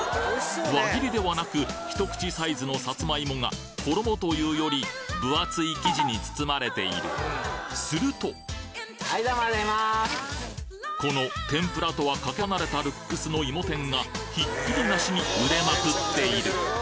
輪切りではなく一口サイズのサツマイモが衣というより分厚い生地に包まれているするとこの天ぷらとはかけ離れたルックスのいも天がひっきりなしに売れまくっている！